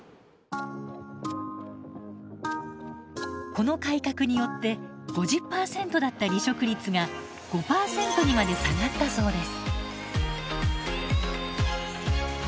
この改革によって５０％だった離職率が５％にまで下がったそうです。